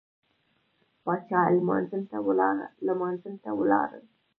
پاچا لمانځه ته ولاړل.